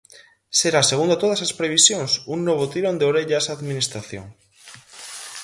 Será, segundo todas as previsións, un novo "tirón de orellas" á Administración.